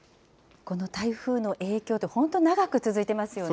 この台風の影響って本当、長く続いてますよね。